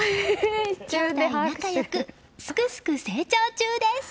姉弟仲良くすくすく成長中です。